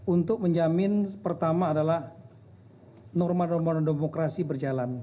untuk menjamin pertama adalah norma norma non demokrasi berjalan